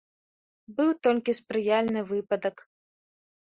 Быў толькі спрыяльны выпадак.